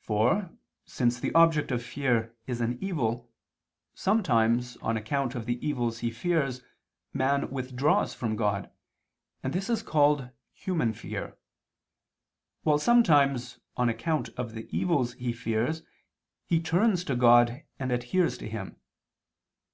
For, since the object of fear is an evil, sometimes, on account of the evils he fears, man withdraws from God, and this is called human fear; while sometimes, on account of the evils he fears, he turns to God and adheres to Him.